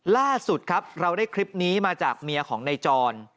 ล่าสุดครับเราได้คลิปนี้มาจากเมียของนายจร